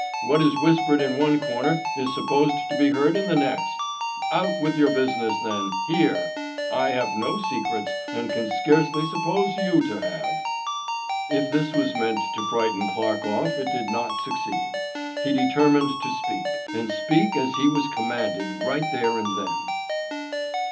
What is whispered in one corner is supposed to be heard in the next. Out with your business then, here. I have no secrets and can scarcely suppose you to have." If this was meant to frighten Clarke off it did not succeed. He determined to speak, and speak as he was commanded right there and then.